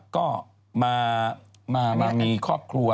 ก็มามีครอบครัว